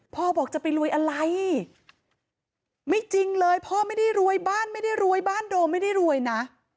บอกจะไปรวยอะไรไม่จริงเลยพ่อไม่ได้รวยบ้านไม่ได้รวยบ้านโดมไม่ได้รวยนะ